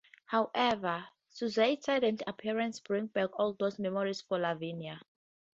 However, Suzette's sudden appearance brings back all those memories for Lavinia.